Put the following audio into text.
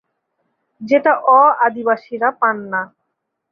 যেটা অ-আদিবাসীরা পান না।